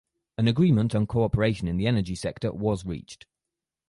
An agreement on cooperation in the energy sector was reached.